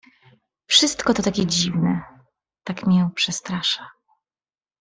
"Wszystko to takie dziwne, tak mię przestrasza."